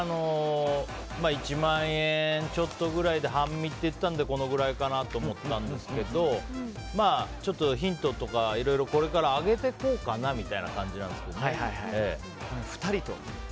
１万円ちょっとぐらいで半身っていったのでこのくらいかなと思ったんですけどちょっとヒントとかいろいろこれから上げていこうかなみたいな感じなんですけどね。